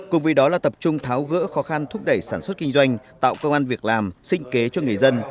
cùng với đó là tập trung tháo gỡ khó khăn thúc đẩy sản xuất kinh doanh tạo công an việc làm sinh kế cho người dân